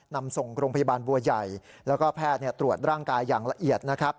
นำส่งโรงพยาบาลบัวใหญ่แล้วก็แพทย์ตรวจร่างกายอย่างละเอียดนะครับ